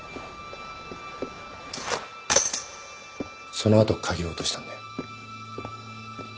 その後鍵を落としたんだよ。